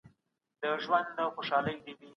حضوري زده کړه به د عملي مهارتونو فرصت زيات کړي.